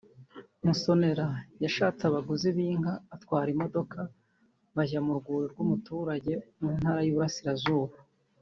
Musonera yashatse abaguzi b’inka atwara imodoka bajya mu rwuri rw’umuturage mu ntara y’Iburasirazuba